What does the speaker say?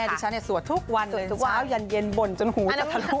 แม่ดิฉันเนี่ยสวดทุกวันเลยเช้ายันเย็นบ่นจนหูจะทะลุอยู่